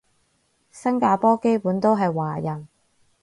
新加坡基本都係華人